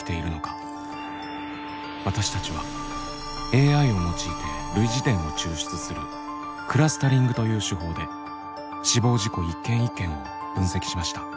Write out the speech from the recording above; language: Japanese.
私たちはＡＩを用いて類似点を抽出するクラスタリングという手法で死亡事故一件一件を分析しました。